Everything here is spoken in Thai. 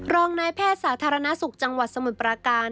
รองนายแพทย์สาธารณสุขจังหวัดสมุทรปราการ